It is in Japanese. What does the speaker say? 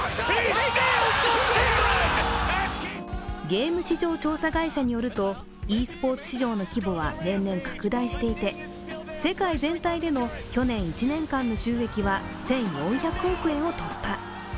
ゲーム市場調査会社によるとｅスポーツ市場の規模は年々拡大していて、世界全体での去年１年間の収益は１４００億円を突破。